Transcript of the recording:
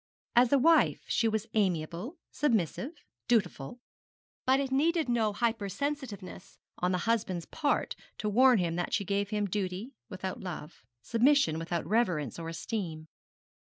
As a wife she was amiable, submissive, dutiful; but it needed no hypersensitiveness on the husband's part to warn him that she gave him duty without love, submission without reverence or esteem.